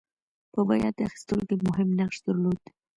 په بیعت اخیستلو کې مهم نقش درلود.